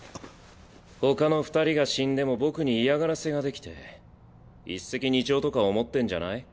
ほかの二人が死んでも僕に嫌がらせができて一石二鳥とか思ってんじゃない？